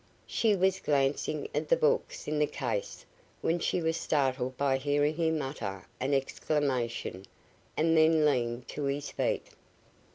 She was glancing at the books in the case when she was startled by hearing him utter an exclamation and then lean to his feet.